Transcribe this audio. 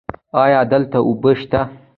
ایا دلته اوبه شته؟